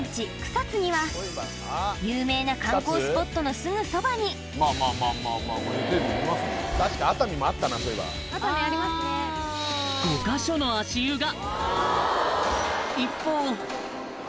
草津には有名な観光スポットのすぐそばに５カ所の足湯が！